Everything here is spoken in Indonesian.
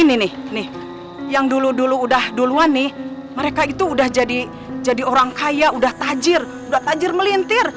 ini nih yang dulu dulu udah duluan nih mereka itu udah jadi jadi orang kaya udah tajir udah tajir melintir